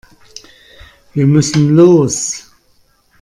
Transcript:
Wir müssen los.